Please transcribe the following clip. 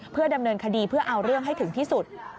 เพื่อดำเนินคดีเพื่อเอาเรื่องให้ถึงที่สุด